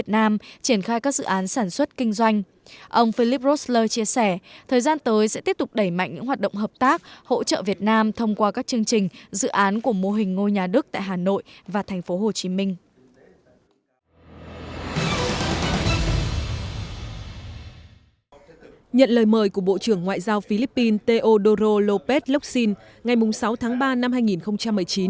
nhận lời mời của bộ trưởng ngoại giao philippines teodoro lopez locsin ngày sáu tháng ba năm hai nghìn một mươi chín